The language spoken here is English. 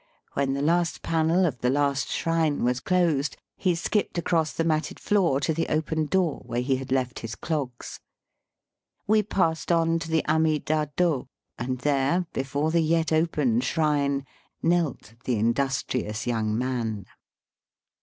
When the last panel of the last shrine was closed, he skipped across the matted floor to the open door, where he had left his clogs. We passed on to the Amida Do, and there, before the yet open shrine, knelt the industrious young man.